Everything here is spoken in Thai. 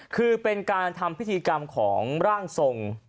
คือเป็นการทำพิธีกรรมของร่างทรง